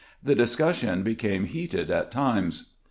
The discussion became heated at times.